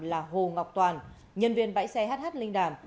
là hồ ngọc toàn nhân viên bãi xe hh linh đàm